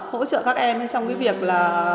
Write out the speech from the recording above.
hỗ trợ các em trong cái việc là